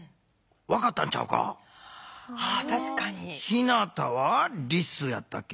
ひなたはリスやったっけ？